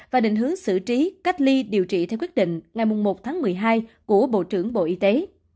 và định hướng xử trí cách ly điều trị theo quyết định ngày một tháng một mươi hai của bộ trưởng bộ y tế